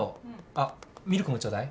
あっミルクもちょうだい。